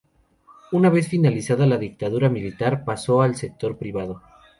Una vez finalizado la dictadura militar pasó al sector privado.